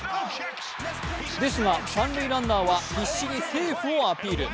ですが、三塁ランナーは必死にセーフをアピール。